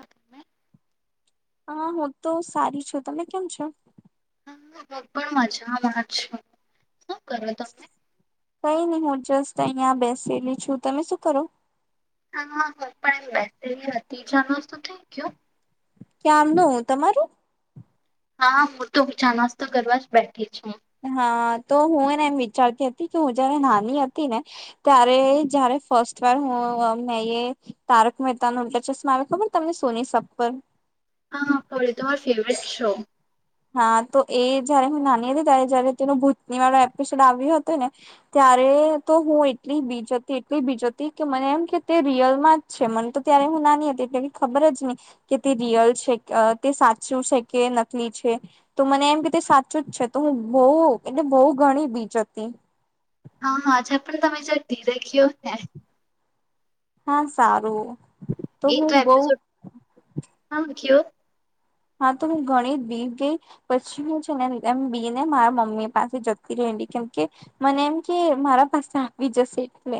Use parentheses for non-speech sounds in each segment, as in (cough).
હું હા હું તો સારી છું, તમે કેમ છો? હ હું પણ મજામાં છું. શું કરો તમે? કઈ નહી હું જસ્ટ અહિયાં બેસેલી છું, તમે શું કરો? હા હ પણ એમ બેસેલા હતી, ચા નાસ્તો થઈ ગયો? ક્યારનું તમારું? હા હું તો ચા નાસ્તો તો કરવાર જ બેઠી છું. હા તો હું એને એમ વિચારતી હતી કે હું જયારે નાની હતી ને ત્યારે જય્યારે ફસ્ટ વાર હું મેય તારક મહેતા નો ઉલ્ટા ચશ્મા આવે ખબર તમને સોની સબ પર. હ ફર ફેવરેટ શો. હા તો એ જયારે હું નાની હતી ત્યારે જયારે તેનો ભૂતની વાળો એપિસોડ આવ્યો હતો ને, ત્યારે તો હું એટલી બીજ હતી એટલી બીજ હતી કે મને એમ કે તે રિયલમાં જ છે મને તો ત્યારે હું નાની હતી એટલે ખબર જ નહી કે તે રિયલ છે તે સાચું છે કે નકલી છે. તો મને એમ કે સાચું જ છે તો હું બહ એટલે બહુ ઘણી બી જતી. હા હાજ પણ તમે (unintelligible) થયો ને. હા સારું. એ તો હું બહુ એપિસોડ હ કયો. હા તો હું ઘણી જ બી ગઈ પછી હું છેને એમ બી ને મારા મમ્મી પાસે જતી રેડી કેમકે મને એમ કે મારા પાસે આવી જશે એટલે.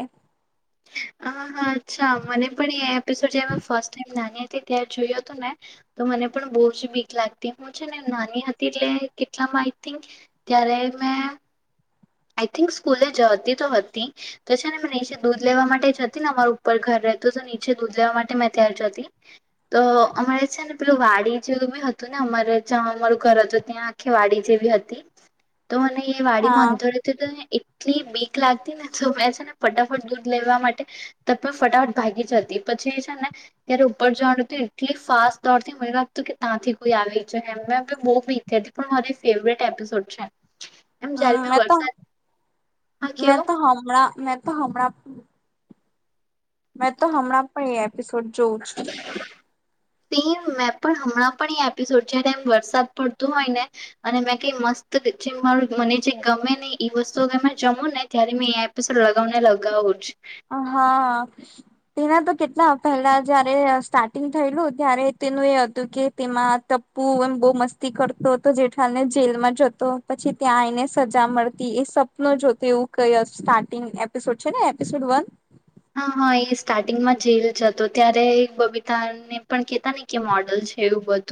હા હા અચ્છા મને પણ એ એપિસોડ જ્યારે મેં ફર્સ્ટ ટાઈમ નાની હતી તં જોયું હતું, ને તો મને પણ બહુ જ બીક લાગતી હું છે ને નાની હતી એટલે કેટલામાં આઈ થેન્ક ત્યારે મે આઈ થિંક સ્કૂલે જતી તો હતી તો છે ને મેં નીચે દૂધ લેવા માટે જતી ને અમાર ઉપર ઘર રહેતું તો નીચે દૂધ લેવા માટે મેં ત્યાાર જતી તો અમારે છે ને પેલું વાડી જેવું બી હતું ને અમારે જ્યાં અમારું ઘર હતું ત્યાં આખી વાડી જેવી હતી. તો મને એ વાડી મા હા અંધ એટલી બીક લાગતી ને તો મેં છે ને ફટાફટ દૂધ લેવા માટે તપ ફટાફટ ભાગી જતી, પછી એ છે ને ત્યારે ઉપર જવાનું એટલી ફાસ્ટ દોડથી મને લાગતું કે ત્યાંથી કોઈ આવી જ બહ બીક થ હતી પણ મારી ફેવરેટ એપિસોડ છે. એમ જયારે હમ ભી મેં તો વરસાદ. હા મેં કેવો તો હમણા મે તો હમણા. મેં તો હમણા પણ એ એપિસોડ. જોઉં છું. સ મેં પણ હમણાં પણ એ એપિસોડ જયારે એમ વરસાદ પડતો હોય ને અને મે કઈ મસ્ત જે મારું મને જે ગમે ને એ વસ્તુ જમું ને ત્યારે મેં એ એપિસોડ લગાવને લગાવું હા તેના તો કે ના પેલા જયારે સ્ટાર્ટિંગ થયેલું ત્યારે તેનું એ હતું કે તેમાં ટપ્પુ એમ બહુ મસ્તી કરતો હતો જેઠલાલ ને જેલમાં જતો પછી ત્યાં આવીને સજા મળતી એ સપનું જોતો એવું કઈ સ્ટાર્ટિંગ એપિસોડ છે ને એપિસોડ વન. હા હા એ સ્ટાર્ટિંગમાં જેલ જ હતો ત્યારે બબીતાને પણ કેહેતા ને કે મોડલ છે એવું બધું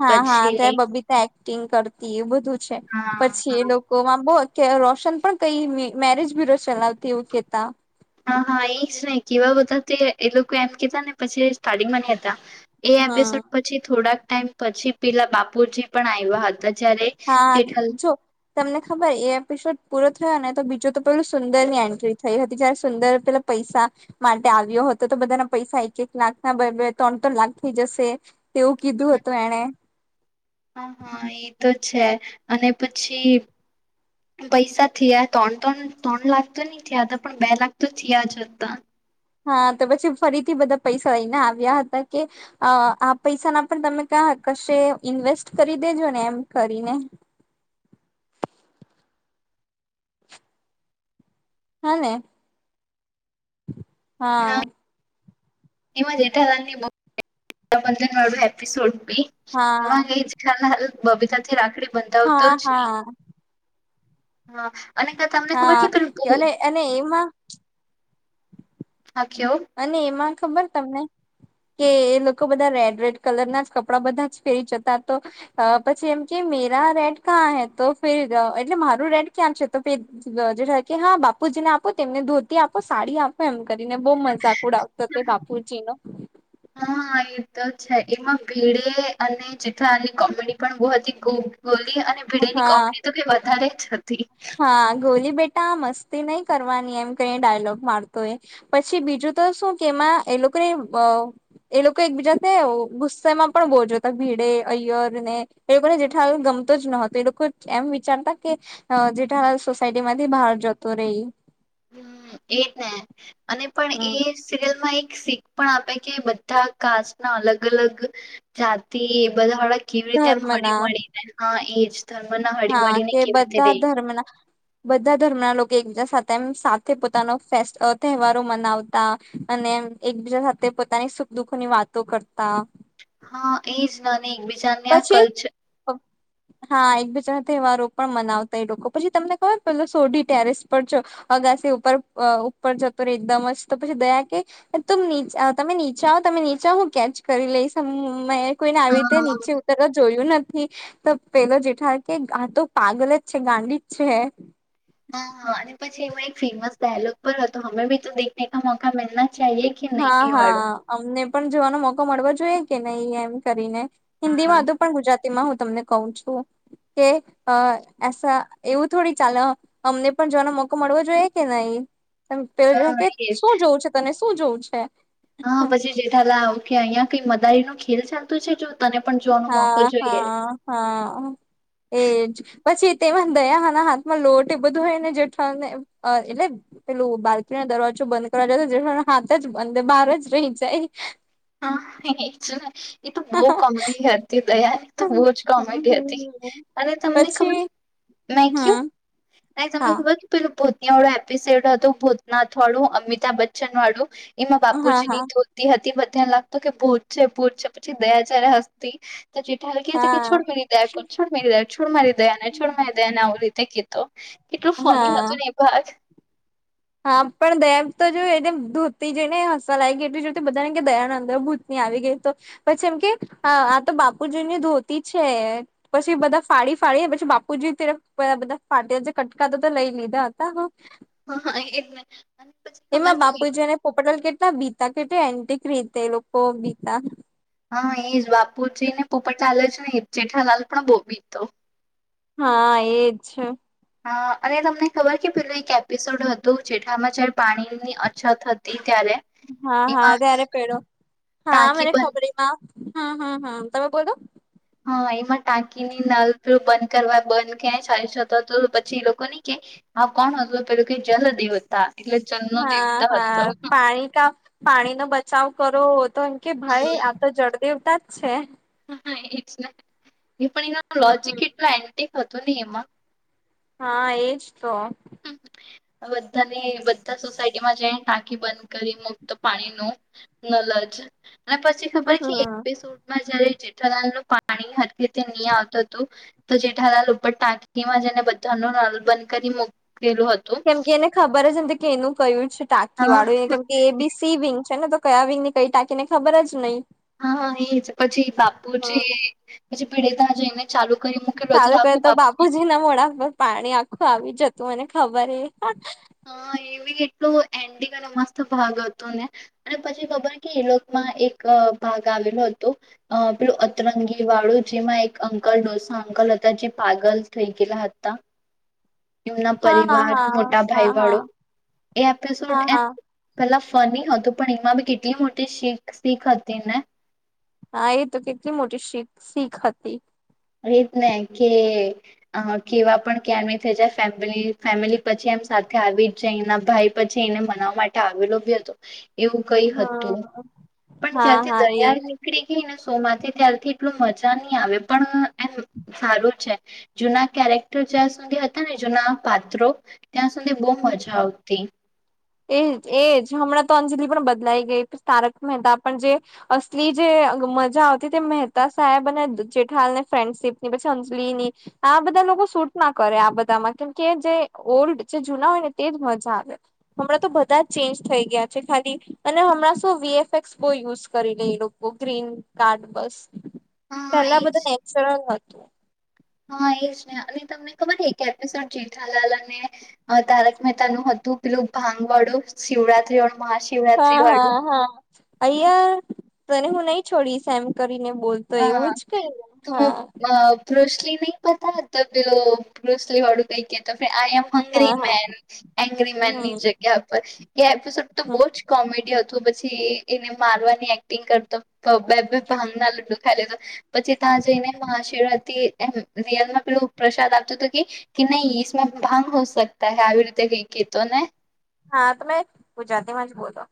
હા હા પછી ત્યારે બબીતા એક્ટિંગ કરતી એ બધું છે હા પછી હા એ લોકોમાં બહ કે રોશન પણ કઈ મેરેજ બી રોશન આવતી એવું કેતા હા હા એ જ ને કેવા બધા તે એ લોકો એમ કેતા ને પછી સ્ટાર્ટિંગમાં નઈ હતા એ હમ એપિસોડ પછી થોડાક ટમ પછી પેલા બાપુજી પણ આવ્યા હતા. જયારે હા જેઠલ જો તમને ખબર એ એપિસોડ પૂર અને તો બીજું તો પેલું સુંદર ની એન્ટ્રી થઈ હતી જયારે સુંદર પેલા પૈસા માટે આવ્યો હતો તો બધાના પૈસા એક એક લાખ નાબ ત્રણ ત્રણ લાખ થઇ જશે તેવું કીધું હતું એણે હા હા એ તો છે અને પછી પૈસા થયા ત્રણ ત્રણ ત્રણ લાખ તો નઈ થયા હતા પણ બે લાખ તો થયા જ હતા. હા તો પછી ફરીથી બધા પૈસા લઈને આવ્યા હતા કે આ પૈસાના પણ તમે ક કશે ઇન્વેસ્ટ કરી દેજો ને એમ કરીને હાને. હા. એમાં જેઠાલાલ ની (unintelligible) (inaudible) એપિસોડ હા (unintelligible) બબીતા થી રાખડી બંધાવતો હા જ નહી હા. હા. અને તમને ખબર હા છે પેલું કે અને અને એમાં હા કેવો અને એમાં ખબર તમને કે એ લોકો બધા રેડ રેડ કલર ના જ કપડા બધા જ ફેરી જતા તો પછી એમ કે મેરા રેડ ક્યાં હે તો ફેરી એટલે મારું રેડ ક્યાં છે તો હા બાપુજીને આપો તેમને ધોતી આપો સાડી આપો એમ કરીને સાકુડા આવતા તે બાપુજી ન તોછા એમાં ભીડે અને જેઠાલાલની કોમેડી પણ બોહ હતી ખુબ ગોલી અને ભીડે ની હા કોમેડી તો ભી વધારે જ હતી હા ગોલી બેટ ટા મસ્તી નહી કરવાની એમ ક ડાયલોગ મારતો એ પછી બીજું તો શું કે એમાં એ લોકોને એ લોકો એકબીજા ગુસ્સેમાં પણ બોજોતા ભીડે અઐયર ને એ લોકોને જેઠા ગમતો જ નતો એ લોકો એમ વિચારતા કે હ જેટા હ સોસાયટીમાંથી બહાર જત ર એ હમ એજ ને અને પણ એ સિરિયલ માં એક શીખ પણ આપે કે બધા કાસ્ટ ના અલગ અલગ જાતિ એ બધાળ કેવી રીતે એમ ધર્મ હડી ના મળીને હા એ હા કે બધા ધર્મના બધા ધર્મના લોકો એકજા સાથે તેમ સાથે પોતાનો તહેવારો મનાવતા અને એકબીજા સાથે પોતાની સુખ દુઃખની વાતો કરતા હા એજ ન એકબીજાને આ પછી કલ્ચર હા એકબીજાના તહેવારો પણ મનાવતા એ લોકો પછી તમને ખબર પે સોઢી ટેરેસ પર જો અગાસી ઉપર ઉપર જતો રે એકદમ જ તો પછી દયા કે ત તમે નીચા આવ તમે નીચા હું કેચ કરી લઈશ મે કોઈને આવી હા રીતે નહી હા શવતર જોયું નથી તો પેલો જેઠા કે આ તો પાગલ જ છે ગાંડી જ છે હા. અને પછી એમાં એક ફેમસ ડાયલોગ પર હતો અમે ભી તો દેખને ક મોકા મિલના ચાહીએ કે નહીં હા એ વાળો હા અમને પણ જોવાનો મોકો મળવો જોઈએ કે નહી એમ કરીને હિન્દીમાં હતુ હા પણ ગુજરાતી માં હું તમને કઉ છું કે એવું થોડી ચલે અમને પણ જોવાનો મોકો મળવો જોઈએ કે નહી ત પેલો જો કે એજ શું જોવું છે તને શું જોઉ (inaudible) હા પછી જેઠાલા આવું કેહ અહિયાં કઈ મ મદારી નો ખેલ ચાલતું છે જો તને પણ જોવાનો મોકો હા જોઈએ હા હા એજ પછી તેમાં દયા હના હાથમાં લોટ એ બધું હોય ને જેઠા ને એટલે પેલું બાલ્કીનો દરવાજો બંધ કરવા જાય તો જેઠા હાથ જ બ બહાર જ રહી જાય હા એ તો બહુ કોમેડી હતી દયા એ તો બહુ જ કોમેડી હતી અને તમને પછી ખબર મે કુ હા તમને હા ખબર પેલું એ વાળું એપિસોડ હતું ભૂતનાથ વાળું અમિતાભ બચ્ચન વાળું એમાં હા બાપુજી ની હા ધ્યોતી હતી ત્યાં લાગતો કે ભહર છે ભૂર છે પછી દયા જારે હસ્તી તો જેઠ હલ ક કે છોડ હા મેરી દે છોડરી દે છોડ મારી દયા ને છોડ મારી દે ને આવું રીતે ક તો કેટલું ફની હા હતું ને એ ભાગ હા પણ દયા તો જો એ ધોતી જઈ ને હસવા લાગ ગઈ એટલી જો બધાને દયા અંદભૂતની આવી ગઈ તો પછી એમ કે આ તો બાપુજી ની ધોતી છે પછી બધા ફાડી ફાડી પછી બાપુજી બધા ફાટ જે કટકાતા તો લઈ લીધા હતા હા એ એમાં બાપુજી જેને પોપટલ કેટલા બી કેટલુ એન્ટિક રીતે એ લોકો બીતા હા એજ બાપુ જીને પોપટ લાલ જ નય જેઠાલાલ પણ બો બીતો હા એજ છે. અ અને તમને ખબર કે પેલું એક એપિસોડ હતું જેઠલામાં જારે પાણી ની અછત હતી. ત્યારે હા, એમાં હા ત્યારે પેડો હા ટાંકી મને બંધ ખબરમાં હ-હ, હ તમે બોલો હા એમા ટાંકી ની નલ પીળ બંધ કરવા બંધ ક્યાં ચા શ તો પછી એ લોકો ની કે હા કોણ હતું પેલું કે જલ દેવતા એટલે જલનો દેવતા હા-હા. હતો. પાણી કા પાણી નો બચાવ કરો. તો કે ભાઈ હમ આ જડ દેવતા જ છે. હા, હા એજ ને એ પણ એના લોજિક હમ એટલા એન્ટી થતો ની એમા હા એજ તો બધાની બધા સોસાયટીમાં જઈ ટાંકી બંધ કરી મુક્ત પાણી ન નલજ અને પછી ખબર હમ કે એક બે શૂટમાં જ્યારે જે ઠાલાલ નું પાણી હ રીતે નહી આવતું હતું તો જેઠાલાલ ઉપર ટાંકીમાં જેને બધા ન નલ બંધ કરીક મુ કેમ કે એને ખબર નથી એનું કહ્યું. છે ટાંકી હા વાળું એ કેમ કે એ બી સી વિંગ છે ને તો કયા આવી ને કઈ ટાકીને ખબર જ નહી. હા એજ પછી બાપુ છે હા પછી પીડિત જય ને સારું કર તો બાપુજી ના મોડા પર પાણી આખું આવી જતું અને ખબરે હ એવી એટલ એન્ડિંગ અને મસ્ત ભાગ હતો ને અને પછી ખબર કે એલોકમાં એક ભાગ આવેલો હતો પેલું અતરંગી વાળું જેમાં એક અંકલ ડોસા અંકલ હતા જે પાગલ થઈ ગયેલા હતા. એમના હા હા પરિવાર હા મોટા ભાઈ હા હા વાળું એ એપિસોડ હા એમ હા કલા ફની હતું પણ એમાં બી કેટલી મોટી શીખ શીખ હતી ને હા એ તો કેટલી મોટી શીખ શીખ હતી. એ જ ને કે કેવા પણ ક્યા થઈ જાય ફેમિલી ફેમિલી પછી એમ સાથે આવી જ જાય એના ભાઈ પછી એને મનાવવા માટે આવેલો ભી હતો. એવું કઈ હમ હતું, પણ હા જ્યાંથી હા એ દરિયાળ નીકળી ગઈને શો માંથી ત્યારથી એટલું મજા નહી આવે પણ એમ સારું છે જૂના કેરેક્ટર જ્યાં સુધી હતા ને જૂના પાત્રો ત્યાં સુધી બહ મજા આવતી એ એજ હમણાં તો અંજલિ પણ બદલાઈ ગઈ તારક મહેતા પણ જે અસલી જે મજા આવતી તે મહેતા સાહેબ અને જેઠા હાલને ફ્રેન્ડશીપની પછી અંજલિ ની આ બધા લોકો શૂટ ના કરે આ બધામાં કેમકે જે ઓલ્ડ જે જૂના હોય ને તેજ મજા આવે હમણાં તો બધા જ ચેન્જ થઈ ગયા છે ખાલી અને હમણાં શ વીએફએક્સ બહ યુઝ કરી લે એ લોકો ગ્રીન કાર્ડ બસ હા પેલા એજ બધું નેચરલતું હા એજ ને અને તમને ખબર એક એપિસોડ જેઠાલાલ અને તારક મહેતા નું હતું પેલું ભાંગવાડું હા હા હા અઐયાર તને હું નઈ છોડીશ એમ કરીને બોલ તો એવું જ કઈને હા બ્રોસલી નહીિ પતા તબ બ્રોસલી હડું કઈ કે તો આઈ એમ હંગરી હા હા મેન હન્ંગરી મેન ની હમ જગ્યા પર એ એપિસોડ તો હમ બહુ જ કોમેડી હતું પછી એને મારવાની એક્ટિંગ કરતો પ બેબી હંગાલ પછી ત્યાં જઈને મહાશીિવવા થી એમ રિયલમાં પેલું પ્રસાદ આપતો હતો કે નહી માં ભાંગ હો સકતા હ આવી રીતે કઈ કેતો ને હા તોમેં પુંજા પોતે જ બોલો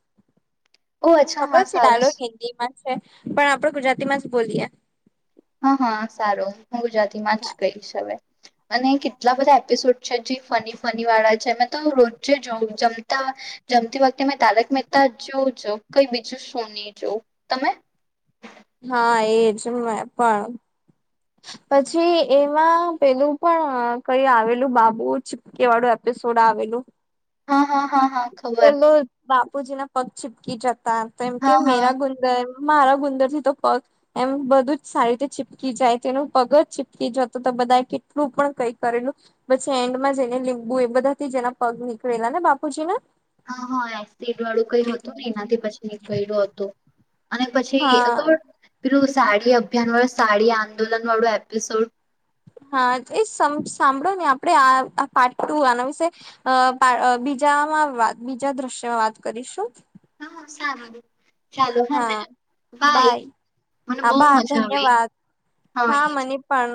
ઓ અચ્છા ખબર હા છે ડાલો સારસ હિન્દીમાં પણ આપડ ગુજરાતી માં જ બોલીયએ હા હા સારું હું ગુજરાતી માં જ કઈશ હવે અને કેટલા બધા એપિસોડ છે જે ફની ફની વાળા છે મે તો રોજે જો જમતા જમતી વખતે મેં તારક મહેતા જો જો કઈ બીજું સોની જોવ તમે હા એજ પણ પછી એમાં પેલું પણ કઈ આવેલું બાબુ ચીપકે વાળું એપિસોડ આવેલું હા હા હા હા ખબર પૂજ ના પક છીપકી ચક તો એમ કે હા હા મેરા ગુંજન મારા ગુંદર થી તો પગ એમ બધું જ સારી રીતે ચીપકી જાય તેનું પગ જ ચીપકી જત તો બધા કેટલું પણ કઈ કરેલું પછી એન્ડમાં જેને લીંબુ એ બધા થી જેના પગ નીકળેલા ને બાપ પુછીને હા હા એસીિડ વાળું કઈ હતું ને ઠીક એનાથી પછી નીકળું હતોું અને પછી હા પલું સાડી અભિયાન વ સાડી આંદોલન વાળું એપિસોડ હા એ સાંભળો ને આપણે આ પાર્ટ ટુ આના વિશે બીજામાંત બીજા દ્રશ્યમાં વાત કરીશું (inaudible) ચાલો ને હા બાય મને બહુ આભાર મજા આવી ધન્યવાદ હા મને પણ